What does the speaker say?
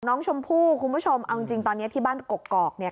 น้องชมพู่คุณผู้ชมเอาจริงตอนนี้ที่บ้านกกอกเนี่ย